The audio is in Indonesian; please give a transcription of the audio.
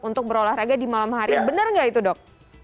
untuk berolahraga di malam hari bener gak itu dok